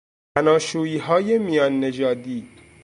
زناشوییهای میان نژادی